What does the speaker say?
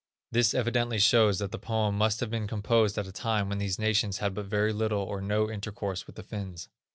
This evidently shows that the poem must have been composed at a time when these nations had but very little or no intercourse with the Finns.